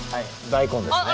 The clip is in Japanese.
大根ですね。